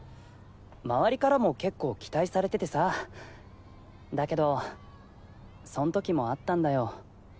周りからも結構期待されててさだけどそんときもあったんだよ。